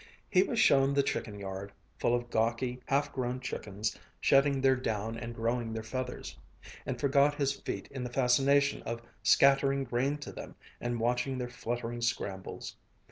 He was shown the chicken yard full of gawky, half grown chickens shedding their down and growing their feathers and forgot his feet in the fascination of scattering grain to them and watching their fluttering scrambles.